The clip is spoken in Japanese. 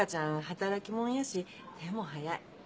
働き者やし手も早い。